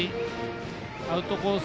アウトコース